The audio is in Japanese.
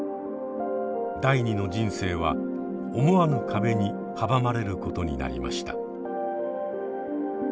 第二の人生は思わぬ壁に阻まれることになりました。